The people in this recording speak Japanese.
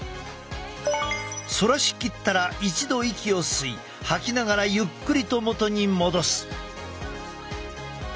反らしきったら一度息を吸い吐きながらゆっくりと元に戻す。